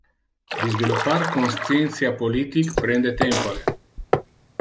Disveloppar conscientia politic prende tempore.